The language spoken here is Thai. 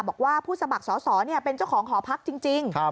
บอกว่าผู้สมัครสอสอเป็นเจ้าของหอพักจริง